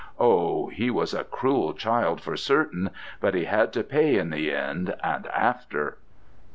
Oh, he was a cruel child for certain, but he had to pay in the end, and after.'